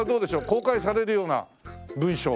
公開されるような文書。